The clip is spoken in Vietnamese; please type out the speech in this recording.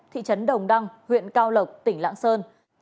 thị trấn đồng đăng huyện cao lộc tỉnh lạng sơn